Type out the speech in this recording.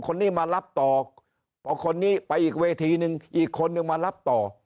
คนนี้มารับต่อพอคนนี้ไปอีกเวทีนึงอีกคนนึงมารับต่อ